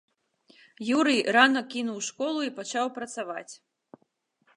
Юрый рана кінуў школу і пачаў працаваць.